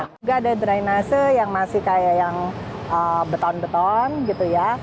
juga ada drainase yang masih kayak yang beton beton gitu ya